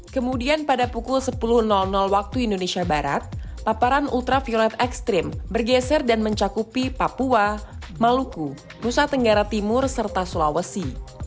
kemudian pada pukul sepuluh waktu indonesia barat paparan ultraviolet ekstrim bergeser dan mencakupi papua maluku nusa tenggara timur serta sulawesi